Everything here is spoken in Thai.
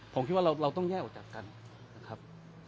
ผมคิดว่าเราต้องแยกออกจากกันนะครับ